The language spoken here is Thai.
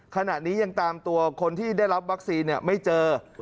ขณะนี้ยังตามตัวคนที่ได้รับวัคซีนไม่เจอ